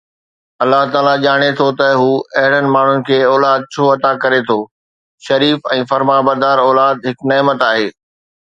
الله تعاليٰ ڄاڻي ٿو ته هو اهڙن ماڻهن کي اولاد ڇو عطا ڪري ٿو، شريف ۽ فرمانبردار اولاد هڪ نعمت آهي